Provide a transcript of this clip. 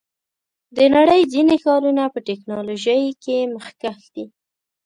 د نړۍ ځینې ښارونه په ټیکنالوژۍ کې مخکښ دي.